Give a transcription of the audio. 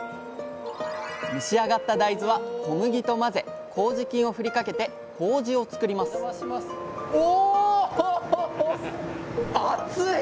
蒸し上がった大豆は小麦と混ぜこうじ菌を振りかけてこうじを作りますお！